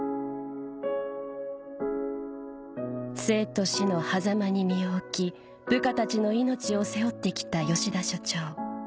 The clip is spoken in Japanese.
生と死のはざまに身を置き部下たちの命を背負って来た吉田所長